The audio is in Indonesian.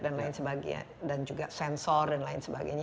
dan juga sensor dan lain sebagainya